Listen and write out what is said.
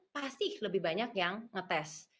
pasti lebih banyak yang ngetes